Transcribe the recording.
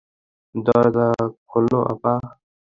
দরজা খোলো, আপা।